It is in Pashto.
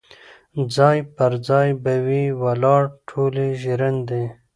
ځاي پر ځای به وي ولاړي ټولي ژرندي